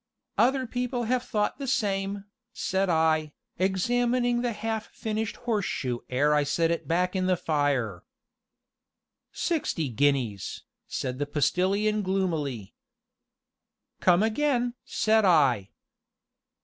"Other people have thought the same," said I, examining the half finished horseshoe ere I set it back in the fire. "Sixty guineas!" said the Postilion gloomily. "Come again!" said I.